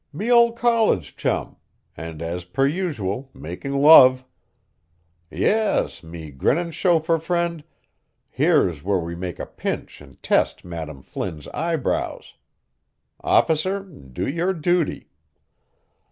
"Me old college chum, and as per usual making love. Yis, me grinning chauffeur frind, here's where we make a pinch an' test Mme. Flynn's eyebrows. Officer, do your duty!"